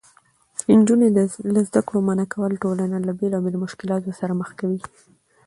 نجونې له زده کړو منعه کول ټولنه له بېلابېلو مشکلاتو سره مخ کوي.